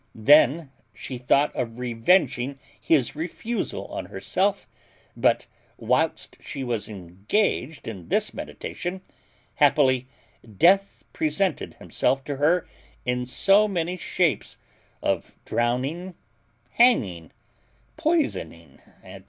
Then she thought of revenging his refusal on herself; but, whilst she was engaged in this meditation, happily death presented himself to her in so many shapes, of drowning, hanging, poisoning, &c.